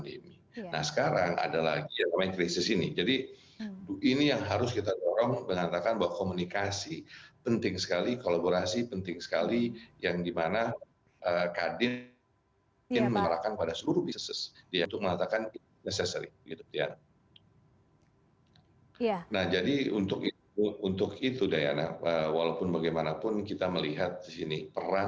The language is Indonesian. dan juga seluruh kepala negara